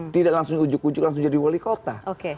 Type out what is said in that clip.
tidak langsung ujuk ujuk langsung jadi wali kota